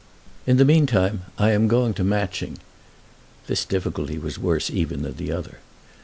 In the meantime I am going to Matching. [This difficulty was worse even than the other.